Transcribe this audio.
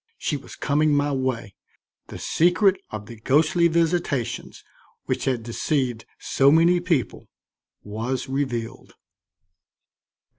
She was coming my way, the secret of the ghostly visitations which had deceived so many people was revealed.